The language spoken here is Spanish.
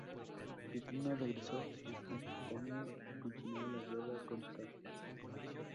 Pipino regresó a Aquitania y continuó la guerra con Carlos.